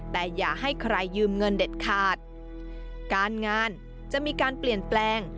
แต่อย่าให้ใครยืมเงินเด็ดขาดการงานจะมีการเปลี่ยนแปลง